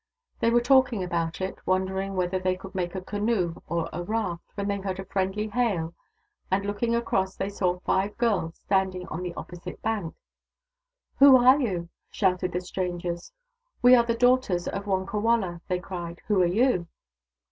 They were talking about it, wondering whether they could make a canoe or a raft, when they heard a friendly hail, and, looking across, they saw five girls standing on the opposite bank, " Who are you ?" shouted the strangers. " We are the daughters of Wonkawala," they cried. " WTio are you